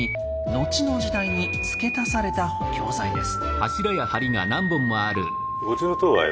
後の時代に付け足された補強材です。